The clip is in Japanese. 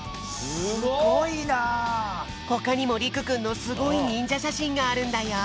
すごい！ほかにもりくくんのすごいにんじゃしゃしんがあるんだよ。